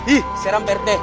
ih serem pak rt